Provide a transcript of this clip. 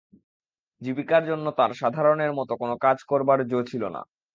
জীবিকার জন্য তাঁর সাধারণের মত কোন কাজ করবার জো ছিল না।